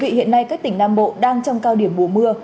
thưa quý vị hiện nay các tỉnh nam bộ đang trong cao điểm mùa mưa